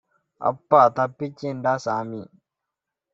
அப்பா தப்பிச்சேன்டா சாமி